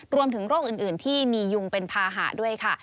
รวมถึงโรคอื่นที่มียุงเป็นภาหะด้วยค่ะ